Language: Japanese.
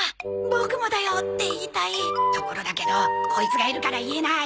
ボクもだよ！って言いたいところだけどコイツがいるから言えない！